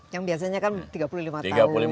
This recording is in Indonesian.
yang biasanya kan tiga puluh lima tahun